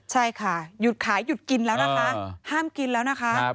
ใช่ค่ะหยุดขายหยุดกินแล้วนะคะห้ามกินแล้วนะคะ